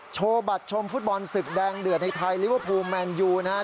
โชว์บัตรชมฟุตบอลศึกแดงเดือดในไทยลิเวอร์พูลแมนยูนะครับ